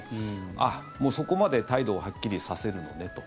あっ、そこまで態度をはっきりさせるのねと。